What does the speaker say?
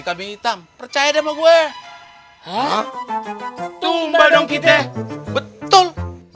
kambing hitam percaya deh mau gue ha ha tumba dong kita betul